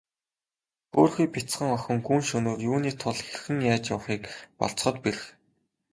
Хөөрхий бяцхан охин гүн шөнөөр юуны тул хэрхэн яаж явахыг болзоход бэрх.